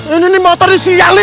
ah ini motornya si iyalih